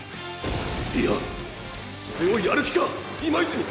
いやそれをやる気か今泉！